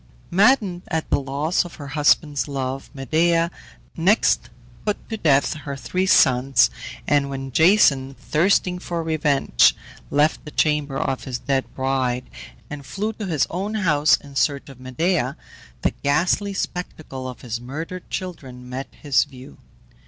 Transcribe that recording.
Maddened at the loss of her husband's love Medea next put to death her three sons, and when Jason, thirsting for revenge, left the chamber of his dead bride, and flew to his own house in search of Medea, the ghastly spectacle of his murdered children met his view.